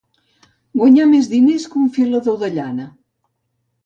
Guanyar més diners que un filador de llana.